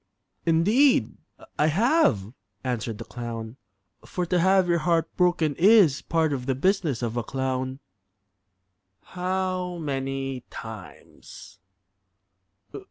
"Indeed I have," answered the clown. "For to have your heart broken is part of the business of a clown." "How many times?"